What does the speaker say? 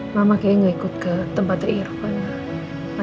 mama kayaknya nggak ikut ke tempatnya irfan